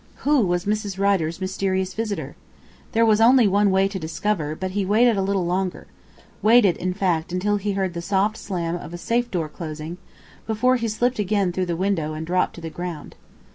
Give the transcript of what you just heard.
Who was Mrs. Rider's mysterious visitor? There was only one way to discover, but he waited a little longer waited, in fact, until he heard the soft slam of a safe door closing before he slipped again through the window and dropped to the ground.